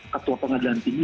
ketua pengadilan tinggi